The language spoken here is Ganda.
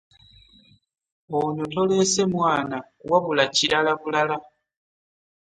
Ono toleese mwana wabula kirala bulala.